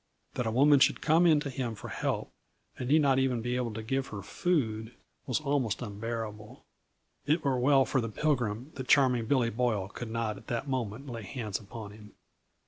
That a woman should come to him for help, and he not even able to give her food, was almost unbearable. It were well for the Pilgrim that Charming Billy Boyle could not at that moment lay hands upon him.